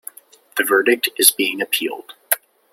The verdict is being appealed.